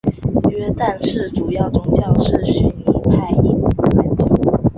约旦的主要宗教是逊尼派伊斯兰教。